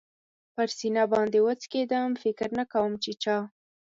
پر سینه باندې و څکېدم، فکر نه کوم چې چا.